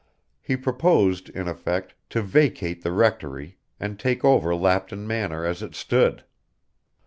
He proposed, in effect, to vacate the Rectory, and take over Lapton Manor as it stood.